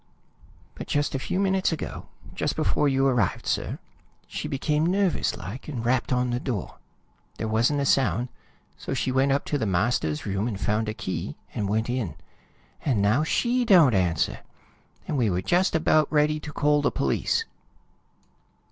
"But just a few minutes ago, just before you arrived, sir, she became nervous like, and rapped on the door. There wasn't a sound. So she went up to the master's room and found a key, and went in. And now she don't answer, and we were just about ready to call the police!"